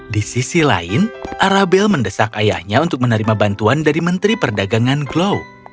di sisi lain arabel mendesak ayahnya untuk menerima bantuan dari menteri perdagangan glow